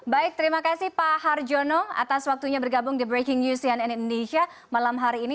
baik terima kasih pak harjono atas waktunya bergabung di breaking news cnn indonesia malam hari ini